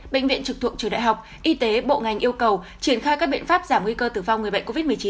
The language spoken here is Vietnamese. bệnh viện trực thuộc trường đại học y tế bộ ngành yêu cầu triển khai các biện pháp giảm nguy cơ tử vong người bệnh covid một mươi chín